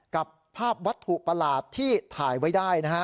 กับภาพวัตถุประหลาดที่ถ่ายไว้ได้นะฮะ